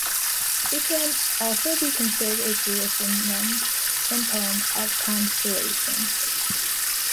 It can also be considered a traditional lament and poem of consolation.